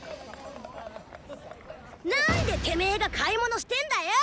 何でテメーが買い物してんだよ！